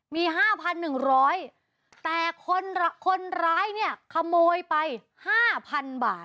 มี๕๑๐๐แต่คนร้ายเนี่ยขโมยไป๕๐๐๐บาท